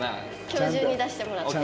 今日中に出してもらって。